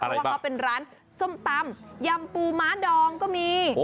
เพราะว่าเขาเป็นร้านส้มตำยำปูม้าดองก็มี